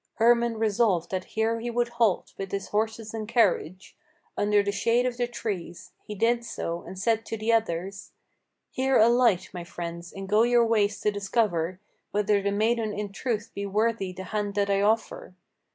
Hermann resolved that here he would halt, with his horses and carriage, Under the shade of the trees. He did so, and said to the others; "Here alight, my friends, and go your ways to discover Whether the maiden in truth be worthy the hand that I offer.